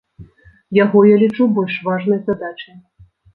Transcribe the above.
Яго я лічу больш важнай задачай.